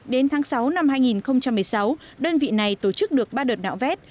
đến tháng sáu năm hai nghìn một mươi sáu đơn vị này tổ chức được ba đợt nạo vét